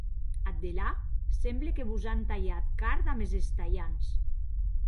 Ath delà, semble que vos an talhat carn damb es estalhants.